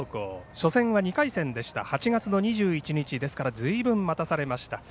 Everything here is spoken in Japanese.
初戦は２回戦でした８月２１日ずいぶん待たされました。